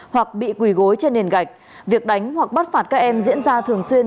hoặc bị quỳ gối trên nền gạch việc đánh hoặc bắt phạt các em diễn ra thường xuyên